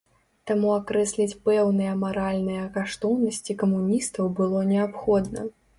Таму акрэсліць пэўныя маральныя каштоўнасці камуністаў было неабходна.